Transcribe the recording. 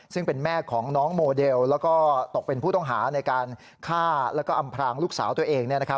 ซึ่งเป็นแม่ของน้องโมเดลแล้วก็ตกเป็นผู้ต้องหาในการฆ่าแล้วก็อำพรางลูกสาวตัวเอง